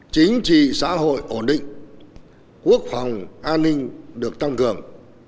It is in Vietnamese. chính trị xã hội ổn định quốc phòng an ninh được tăng cường